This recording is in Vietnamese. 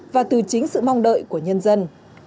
và từ chính sự mong đợi của nhân dân